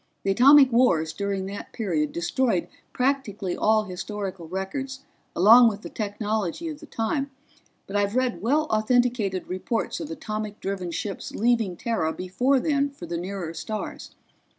"The atomic wars during that period destroyed practically all historical records along with the technology of the time, but I've read well authenticated reports of atomic driven ships leaving Terra before then for the nearer stars.